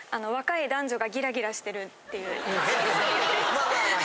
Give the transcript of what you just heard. まあまあまあ。